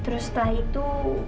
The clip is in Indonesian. terus setelah itu